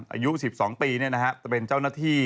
อายุ๑๒ปีเนี่ยนะฮะเป็นเจ้าหน้าที่